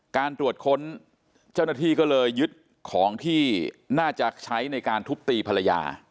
การตรวจค้นเจ้าหน้าที่ก็เลยยึดของที่น่าจะใช้ในการทุบตีภรรยา